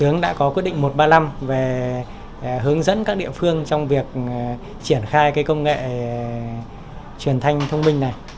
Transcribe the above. những các địa phương trong việc triển khai công nghệ truyền thanh thông minh này